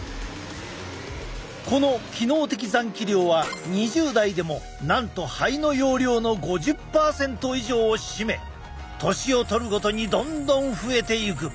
この機能的残気量は２０代でもなんと肺の容量の５０％以上を占め年を取るごとにどんどん増えていく。